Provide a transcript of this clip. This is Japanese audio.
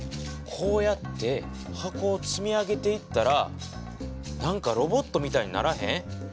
こうやって箱を積み上げていったらなんかロボットみたいにならへん？